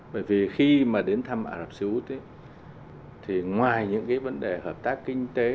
bởi vì khi mà đến thăm ả rập xê út thì ngoài những cái vấn đề hợp tác kinh tế